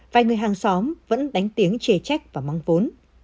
vài người hàng xóm vẫn đánh tiếng chê trách và mong muốn